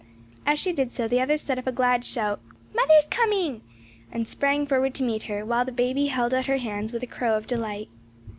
As she did so the others set up a glad shout, "Mother's coming!" and sprang forward to meet her, while baby held out her hands with a crow of delight.